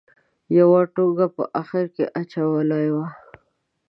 یوه ټونګه په اخره کې اچولې وه.